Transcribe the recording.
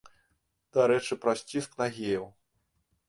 Дарэчы, праз ціск на геяў.